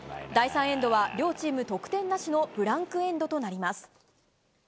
第３エンドは両チーム得点なしのブランクエンドとなります。